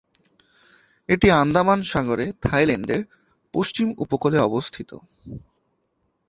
এটি আন্দামান সাগরে থাইল্যান্ডের পশ্চিম উপকূলে অবস্থিত।